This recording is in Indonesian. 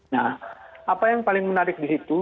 nah apa yang paling menarik di situ